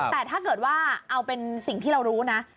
แต่ถ้าเกิดว่าเอาเป็นสิ่งที่เรารู้นะ